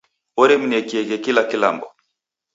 Oremnekieghe kila kilambo.